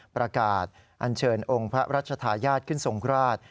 ประกาศอัญเชิญองค์พระราชทายาทขึ้นทรงราช